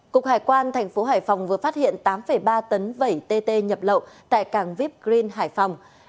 cục hải quan tp hải phòng vừa phát hiện tám ba tấn vẩy tt nhập lậu tại càng vip green hải phòng